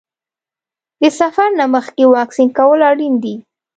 د سفر نه مخکې واکسین کول اړین دي.